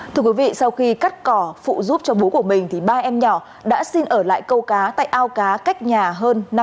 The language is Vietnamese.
thưa quý vị sau khi cắt cỏ phụ giúp cho bố của mình thì ba em nhỏ đã xin ở lại câu cá tại ao cá cách nhà hơn năm m